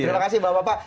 terima kasih bapak bapak